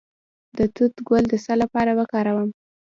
د توت ګل د څه لپاره وکاروم؟